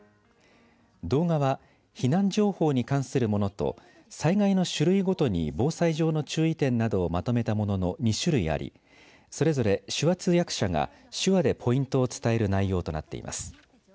動画は避難情報に関するものと災害の種類ごとに防災上の注意点などを、まとめたものの２種類ありそれぞれ手話通訳者が手話でポイントを伝える内容となっています。